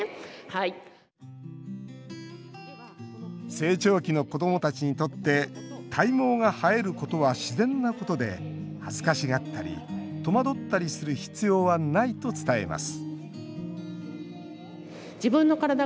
成長期の子どもたちにとって体毛が生えることは自然なことで恥ずかしがったり戸惑ったりする必要はないと伝えます